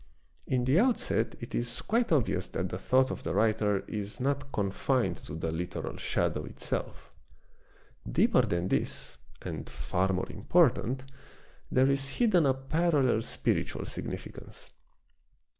In the outset it is quite obvious that the thought of the writer is not confined to the literal shadow itself. l7itroductio7i. vii Deeper than this, and far more important, there is hidden a parallel spiritual significance.